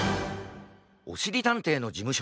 おしりたんていのじむ